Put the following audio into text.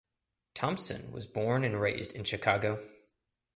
Thompson was born and raised in Chicago.